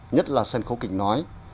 nhất là sân khấu kịch nói